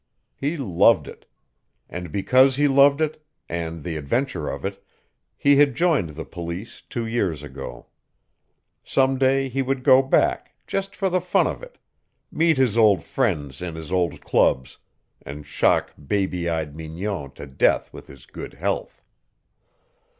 He loved it. And because he loved it, and the adventure of it, he had joined the Police two years ago. Some day he would go back, just for the fun of it; meet his old friends in his old clubs, and shock baby eyed Mignon to death with his good health.